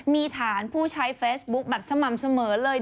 มีฐานผู้ใช้เฟซบุ๊คแบบสม่ำเสมอเลย